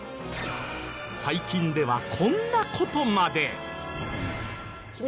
最近ではこんな事まで。